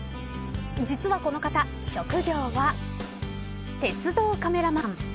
実は、この方職業は鉄道カメラマン。